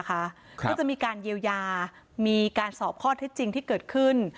ก็จะมีการเยียวยามีการสอบข้อเท็จจริงที่เกิดขึ้น